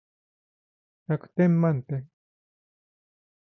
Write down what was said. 百点満点